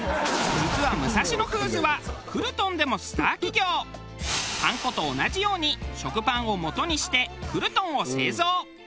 実はパン粉と同じように食パンをもとにしてクルトンを製造。